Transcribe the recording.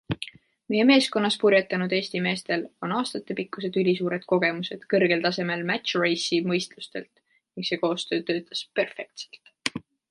Meie meeskonnas purjetanud Eesti meestel on aastatepikkused ülisuured kogemused kõrgel tasemel match race'i võistlustelt, ning see koostöö töötas perfektselt.